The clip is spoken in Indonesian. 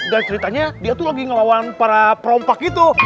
dan ceritanya dia tuh lagi ngelawan para perompak itu